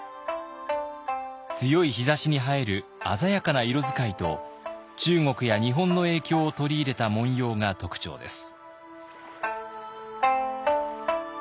強い日ざしに映える鮮やかな色使いと中国や日本の影響を取り入れた紋様が特徴です。